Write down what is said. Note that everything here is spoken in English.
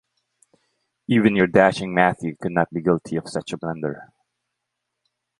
Even your dashing Matthew could not be guilty of such a blunder.